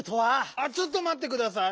あちょっとまってください。